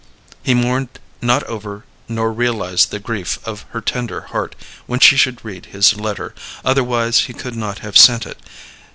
He mourned not over nor realized the grief of her tender heart when she should read his letter, otherwise he could not have sent it.